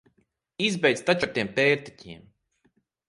Izbeidz taču ar tiem pērtiķiem!